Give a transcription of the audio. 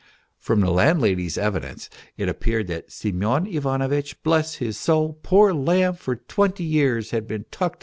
From the landlady's evidence it appeared that " Semyon Ivano vitch, bless his soul, poor lamb, for twenty years had been tucked MR.